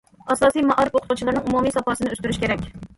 ئاساسىي مائارىپ ئوقۇتقۇچىلىرىنىڭ ئومۇمىي ساپاسىنى ئۆستۈرۈش كېرەك.